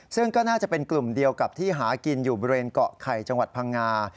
ซึ่งก็น่าจะเป็นกลุ่มเดียวกับที่หากินอยู่บริเวณเกาะไข่จังหวัดพังงา